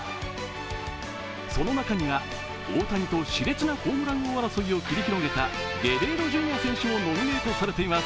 その中には、大谷としれつなホームラン王争いを繰り広げたゲレーロ・ジュニア選手もノミネートされています。